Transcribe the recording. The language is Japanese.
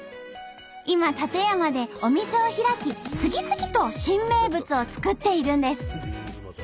今館山でお店を開き次々と新名物を作っているんです。